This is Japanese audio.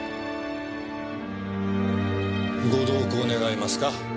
ご同行願えますか？